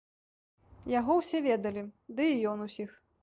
Яго ўсе ведалі, ды і ён усіх.